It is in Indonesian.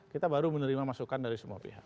kita baru menerima masukan dari semua pihak